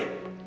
mak mak mak